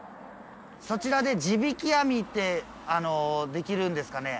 そちらで地引網ってできるんですかね？